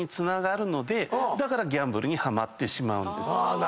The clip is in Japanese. だからギャンブルにハマってしまうんです。